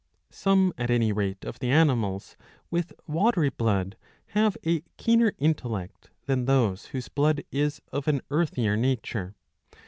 Some' at any rate of the animals with watery blood have a keener intellect than those whose blood is of an earthier nature.